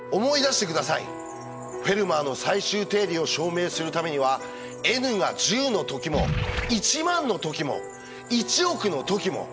「フェルマーの最終定理」を証明するためにはｎが１０の時も１万の時も１億の時も。